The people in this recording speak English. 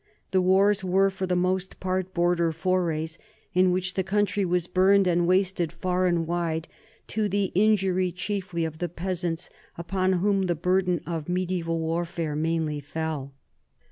The wars were for the most part border forays, in which the country was burned and wasted far and wide, to the injury chiefly of the peas ants, upon whom the burden of mediaeval warfare mainly fell.